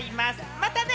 またね！